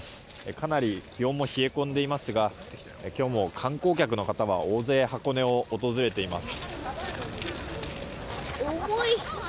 かなり気温も冷え込んでいますが今日も観光客の方は大勢、箱根を訪れています。